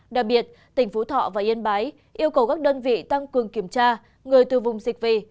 đặc biệt tỉnh phú thọ và yên bái yêu cầu các đơn vị tăng cường kiểm tra người từ vùng dịch về